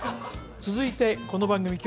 続いてこの番組